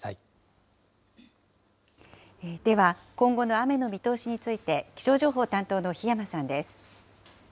では、今後の雨の見通しについて、気象情報担当の檜山さんです。